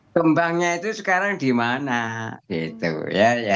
gembangnya itu sekarang di mana